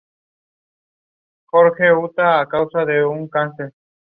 Habita en Lesoto.